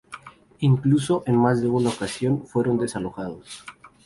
Incluso en más de una ocasión fueron desalojados.